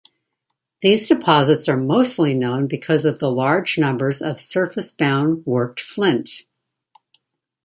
These deposits are mostly known because of the large numbers of surface-bound, worked flint.